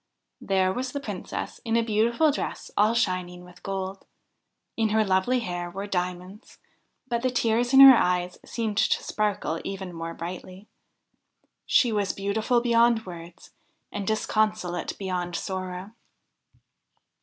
There was the Princess in a beautiful dress all shining with gold. In her lovely hair were diamonds, but the tears in her eyes seemed to sparkle even more brightly. She was beautiful beyond words, and disconsolate beyond sorrow.